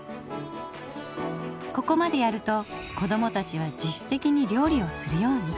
ここまでやると子どもたちは自主的に料理をするように。